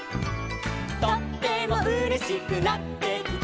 「とってもうれしくなってきた」